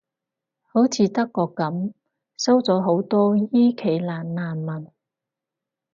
好似德國噉，收咗好多伊期蘭難民